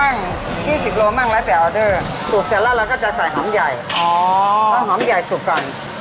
อันนี้ก็คือไก่สับใช่ไหมแม่